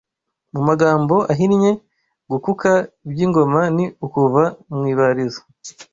Mu magambo ahinnye, gukuka by’ingoma ni ukuva mu ibarizo